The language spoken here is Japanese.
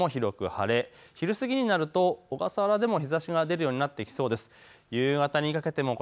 昼前も広く晴れ、昼過ぎになると小笠原でも日ざしが出てくるようになってきそうです。